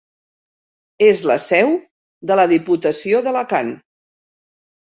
És la seu de la Diputació d'Alacant.